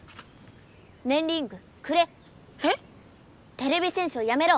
てれび戦士をやめろ。